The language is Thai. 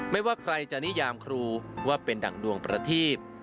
ไม่ว่าใครจะนิยามครูว่าเป็นดั่งดวงประทีป